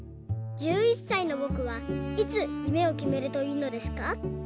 １１さいのぼくはいつ夢を決めるといいのですか？」。